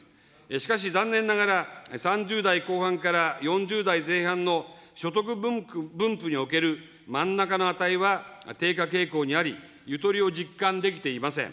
しかし残念ながら、３０代後半から４０代前半の所得分布における真ん中の値は低下傾向にあり、ゆとりを実感できていません。